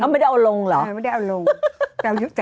มะนาว